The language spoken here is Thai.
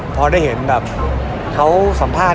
พอได้เห็นแบบเขาสัมภาษณ์